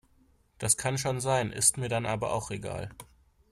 Das kann schon sein, ist mir dann aber auch egal.